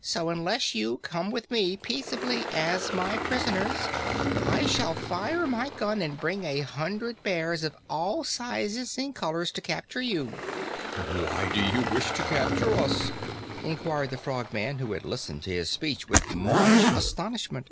So unless you come with me peaceably as my prisoners, I shall fire my gun and bring a hundred bears of all sizes and colors to capture you." "Why do you wish to capture us?" inquired the Frogman, who had listened to his speech with much astonishment.